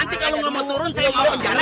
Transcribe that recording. nanti kalau nggak mau turun saya mau bencana